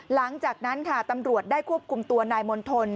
หลังจากนั้นค่ะตำรวจได้ควบคุมตัวนายมณฑล